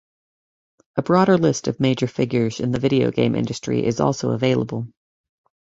A broader list of major figures in the video game industry is also available.